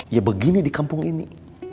ya begini di kampung ini